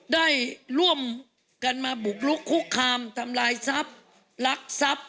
ได้ร่วมกันมาบุกลุกคุกคามทำลายทรัพย์ลักทรัพย์